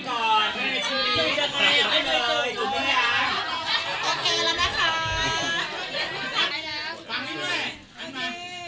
โอเคแล้วเลยตะค้า